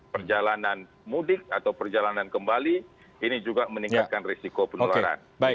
perjalanan mudik atau perjalanan kembali ini juga meningkatkan risiko penularan